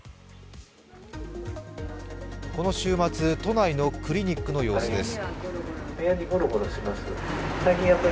この週末、都内のクリニックの様子です。